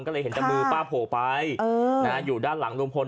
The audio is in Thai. ก็เลยเห็นเพราะมือป้าโผไปเออนะอยู่ด้านหลังลุงพล